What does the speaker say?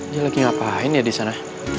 dia lagi ngapain ya di sana